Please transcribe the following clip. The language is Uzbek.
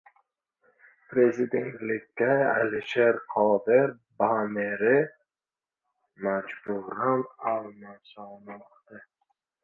"Prezidentlikka Alisher Qodir..." banneri majburan almashtirildimi?